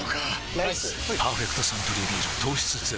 ライス「パーフェクトサントリービール糖質ゼロ」